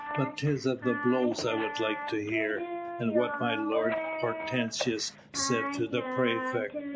But 'tis of the blows I would like to hear, and what my lord Hortensius said to the praefect."